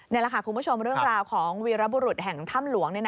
นี่แหละค่ะคุณผู้ชมเรื่องราวของวีรบุรุษแห่งถ้ำหลวง